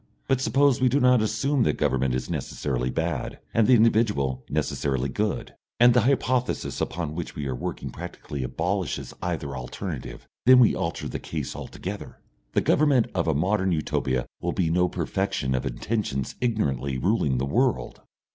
But suppose we do not assume that government is necessarily bad, and the individual necessarily good and the hypothesis upon which we are working practically abolishes either alternative then we alter the case altogether. The government of a modern Utopia will be no perfection of intentions ignorantly ruling the world....